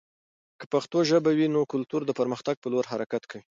که پښتو ژبه وي، نو کلتور د پرمختګ په لور حرکت کوي.